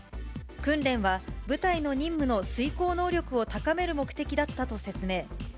訓練は部隊の任務の遂行能力を高める目的だったと説明。